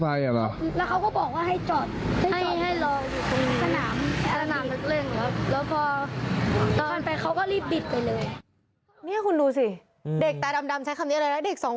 ไปกับเขาแต่เขาไม่ได้ให้ซ้อนมอเตอร์ไซค์นะ